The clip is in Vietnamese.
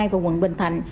và quận bình thạnh